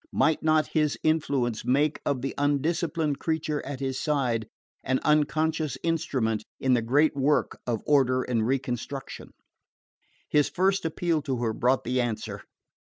Might not his influence make of the undisciplined creature at his side an unconscious instrument in the great work of order and reconstruction? His first appeal to her brought the answer.